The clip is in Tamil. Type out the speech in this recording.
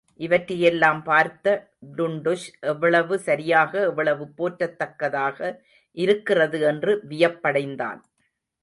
இவற்றையெல்லாம் பார்த்த டுன்டுஷ் எவ்வளவு சரியாக எவ்வளவு போற்றத்தக்கதாக இருக்கிறது என்று வியப்படைந்தான்.